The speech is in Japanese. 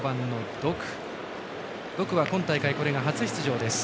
ドクは今大会これが初出場です。